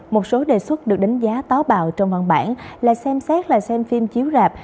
một số đề xuất được đánh giá táo bạo trong văn bản là xem xét là xem phim chiếu rạp